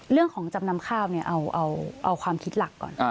เรื่องของจำนำข้าวเอาความคิดหลักก่อน